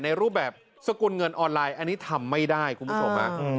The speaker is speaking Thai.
รูปแบบสกุลเงินออนไลน์อันนี้ทำไม่ได้คุณผู้ชม